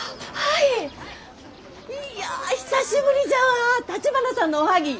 いや久しぶりじゃわあたちばなさんのおはぎ。